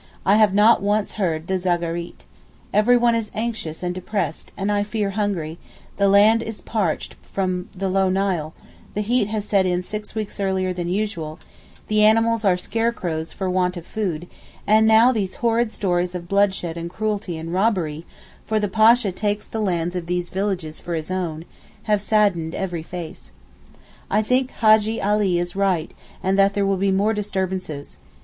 I have not once heard the zaghareet. Every one is anxious and depressed, and I fear hungry, the land is parched from the low Nile, the heat has set in six weeks earlier than usual, the animals are scarecrows for want of food, and now these horrid stories of bloodshed and cruelty and robbery (for the Pasha takes the lands of these villages for his own) have saddened every face. I think Hajjee Ali is right and that there will be more disturbances.